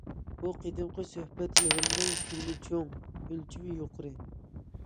بۇ قېتىمقى سۆھبەت يىغىنىنىڭ كۆلىمى چوڭ، ئۆلچىمى يۇقىرى.